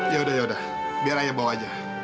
yaudah yaudah biar ayah bawa aja